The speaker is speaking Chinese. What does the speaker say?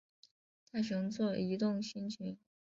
大熊座移动星群